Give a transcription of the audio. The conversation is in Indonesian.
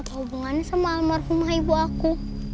hubungannya sama almarhumah ibu aku